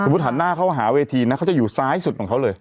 หันหน้าเข้าหาเวทีนะเขาจะอยู่ซ้ายสุดของเขาเลย